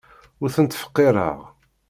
Ur ten-ttfeqqireɣ.